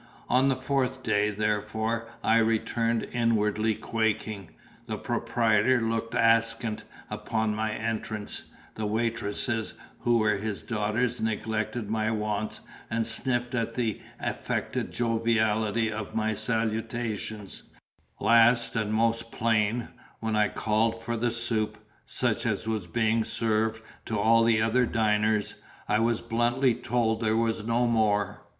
On the fourth day, therefore, I returned, inwardly quaking. The proprietor looked askance upon my entrance; the waitresses (who were his daughters) neglected my wants and sniffed at the affected joviality of my salutations; last and most plain, when I called for a suisse (such as was being served to all the other diners) I was bluntly told there were no more.